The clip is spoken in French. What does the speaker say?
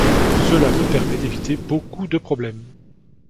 Cela me permet d'éviter beaucoup de problèmes.